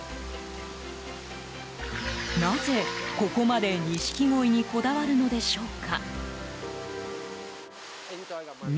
なぜ、ここまでニシキゴイにこだわるのでしょうか。